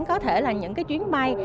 có thể là những chuyến bay